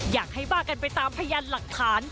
อยากให้บ้ากันไปตามพยานหลักฐาน